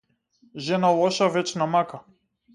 Жена лоша вечна мака.